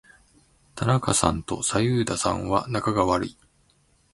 田中さんと左右田さんは仲が悪い。